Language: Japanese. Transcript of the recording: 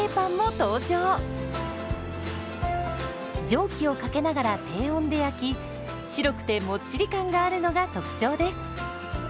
蒸気をかけながら低温で焼き白くてもっちり感があるのが特徴です。